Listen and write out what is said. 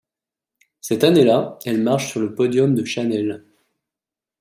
Cette année-là, elle marche sur le podium de Chanel.